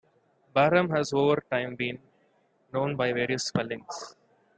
Barham has over time been known by various spellings.